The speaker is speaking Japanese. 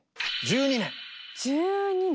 １２年！